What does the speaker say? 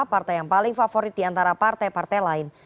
partai yang paling favorit di antara partai partai lain